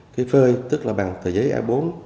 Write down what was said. cái phơi tức là bằng tờ giấy a bốn